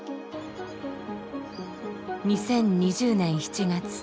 ２０２０年７月。